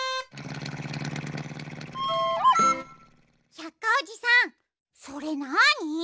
百科おじさんそれなに？